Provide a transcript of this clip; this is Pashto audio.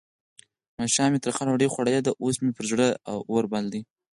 ماښام مې ترخه ډوډۍ خوړلې ده؛ اوس مې پر زړه اور بل دی.